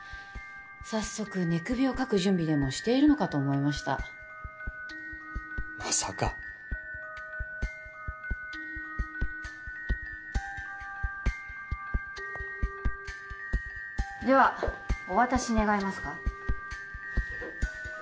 早速寝首をかく準備でもしているのかと思いましたまさかではお渡し願えますか？